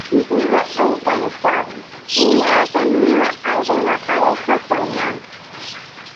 Vive en California y no ha tenido alguna pareja formal.